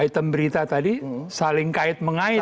item berita tadi saling kait mengait